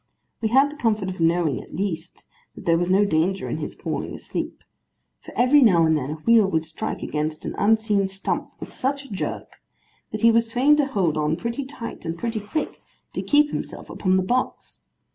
We had the comfort of knowing, at least, that there was no danger of his falling asleep, for every now and then a wheel would strike against an unseen stump with such a jerk, that he was fain to hold on pretty tight and pretty quick, to keep himself upon the box.